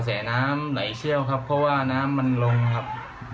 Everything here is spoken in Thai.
แน้ำไหลเชี่ยวครับเพราะว่าน้ำมันลงครับ